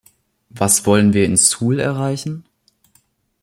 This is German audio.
Was wollen wir in Seoul erreichen?